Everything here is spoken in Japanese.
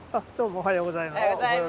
おはようございます。